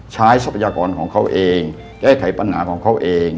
ทรัพยากรของเขาเองแก้ไขปัญหาของเขาเอง